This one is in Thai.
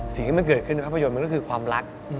สิ่งที่มันเกิดขึ้นในภาพยนตร์มันก็คือความรัก